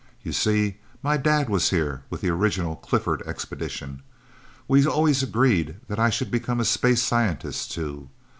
You see, my dad was here with the original Clifford expedition. We always agreed that I should become a space scientist, too.